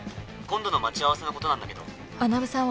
今度の待ち合わせのことなんだけど